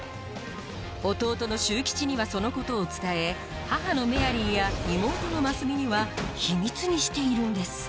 弟の秀にはそのことを伝え母のメアリーや妹の真純には秘密にしているんです